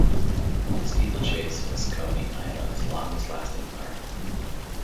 Steeplechase was Coney Island's longest lasting park.